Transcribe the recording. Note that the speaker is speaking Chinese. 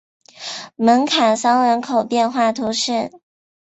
蒙卡桑人口变化图示